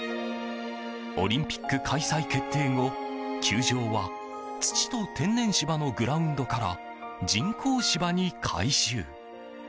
オリンピック開催決定後、球場は土と天然芝のグラウンドから人工芝に改修。